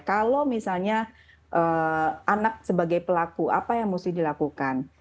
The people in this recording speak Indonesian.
kalau misalnya anak sebagai pelaku apa yang mesti dilakukan